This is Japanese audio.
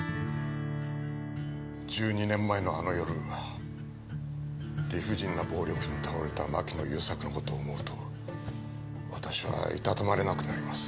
１２年前のあの夜理不尽な暴力に倒れた牧野雄作の事を思うと私はいたたまれなくなります。